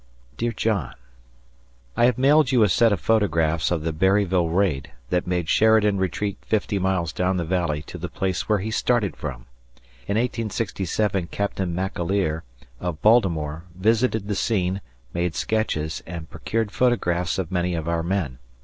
Dear John: I have mailed you a set of photographs of the Berryville raid that made Sheridan retreat fifty miles down the Valley to the place where he started from. In 1867 Captain McAleer, of Baltimore, visited the scene, made sketches, and procured photographs of many of our men.